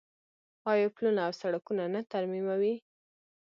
آیا پلونه او سړکونه نه ترمیموي؟